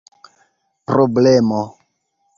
problemo